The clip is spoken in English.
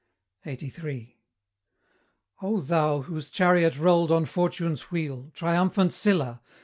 LXXXIII. O thou, whose chariot rolled on Fortune's wheel, Triumphant Sylla!